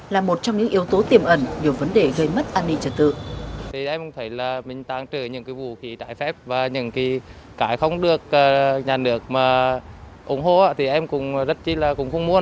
là một trong những yếu tố tiềm ẩn nhiều vấn đề gây mất an ninh trật tự